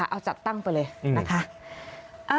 เอาจัดตั้งไปเลยนะคะ